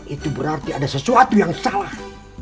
itu berarti ada sesuatu yang salah